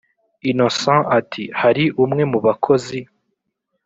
innocent ati”hari umwe mubakozi